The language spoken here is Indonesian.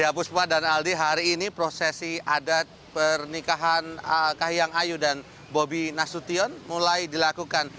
ya puspa dan aldi hari ini prosesi adat pernikahan kahiyang ayu dan bobi nasution mulai dilakukan